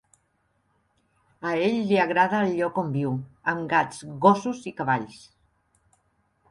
A ell li agrada el lloc on viu, amb gats, gossos i cavalls.